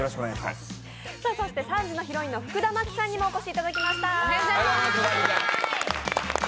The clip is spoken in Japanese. ３時のヒロインの福田麻貴さんにもお越しいただきました。